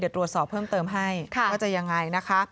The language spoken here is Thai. เดี๋ยวตรวจสอบเพิ่มเติมให้ว่าจะยังไง